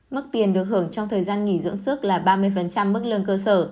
mức tiền được hưởng trong thời gian nghỉ dưỡng sức là ba mươi mức lương cơ sở